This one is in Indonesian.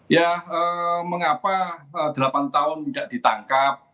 ya mengapa delapan tahun tidak ditangkap